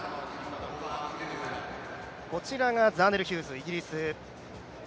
こちらがザーネル・ヒューズ、イギリス。